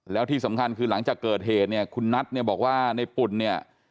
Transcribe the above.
แล้วที่สำคัญคือหลังจากเกิดเหตุเนี่ยคุณนัทเนี่ยบอกว่าในปุ่นเนี่ย